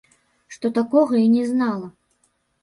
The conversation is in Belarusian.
Што такога і не знала!